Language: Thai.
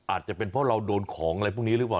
อาจจะเป็นเพราะเราโดนของอะไรพวกนี้หรือเปล่า